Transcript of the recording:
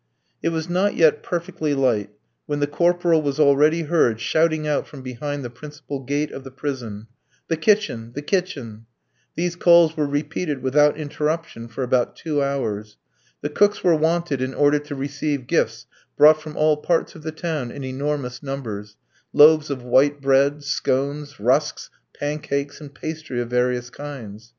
It was not yet perfectly light, when the corporal was already heard shouting out from behind the principal gate of the prison: "The kitchen; the kitchen." These calls were repeated without interruption for about two hours. The cooks were wanted in order to receive gifts brought from all parts of the town in enormous numbers; loaves of white bread, scones, rusks, pancakes, and pastry of various kinds.